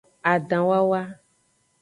Adanwawa.